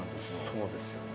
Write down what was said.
そうですよね。